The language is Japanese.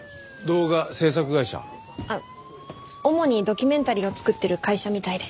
主にドキュメンタリーを作ってる会社みたいで。